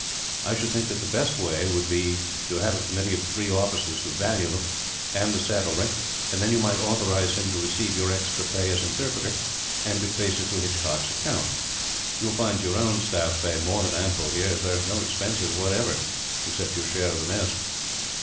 I should think that the best way would be to have a committee of three officers to value them, and the saddlery; and then you might authorize him to receive your extra pay as interpreter, and to place it to Hitchcock's account. You will find your own staff pay more than ample, here; as there are no expenses, whatever, except your share of the mess."